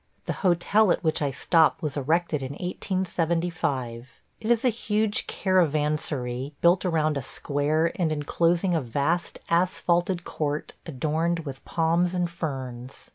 The hotel at which I stop was erected in 1875. It is a huge caravansary, built around a square and enclosing a vast asphalted court adorned with palms and ferns.